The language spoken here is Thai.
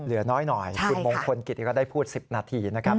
เหลือน้อยหน่อยคุณมงคลกิจก็ได้พูด๑๐นาทีนะครับ